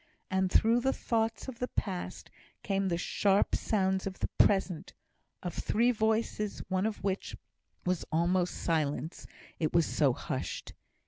And through the thoughts of the past came the sharp sounds of the present of three voices, one of which was almost silence, it was so hushed.